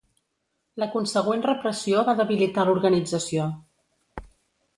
La consegüent repressió va debilitar l'organització.